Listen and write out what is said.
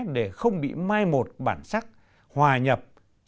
để không bị mai một bản sắc hòa nhập